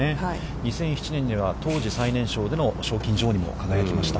２００７年には当時最年少での賞金女王にも輝きました。